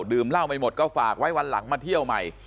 ดื่มเหล้าไม่หมดก็ฝากไว้วันหลังมาเที่ยวใหม่